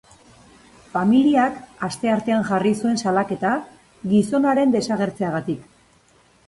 Familiak asteartean jarri zuen salaketa, gizonaren desagertzeagatik.